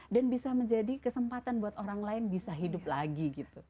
dan bisa menjadi kesempatan buat orang lain bisa hidup lagi gitu